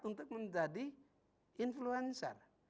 untuk menjadi influencer